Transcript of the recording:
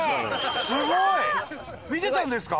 さすが！見てたんですか？